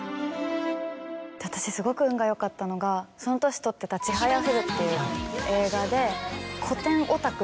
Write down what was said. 私すごく運がよかったのがその年撮ってた『ちはやふる』っていう映画で。